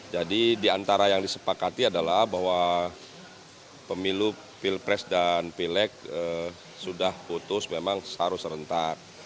jadi diantara yang disepakati adalah bahwa pemilu pilpres dan pileg sudah putus memang harus serentak